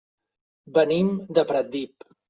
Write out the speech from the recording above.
Venim de Pratdip.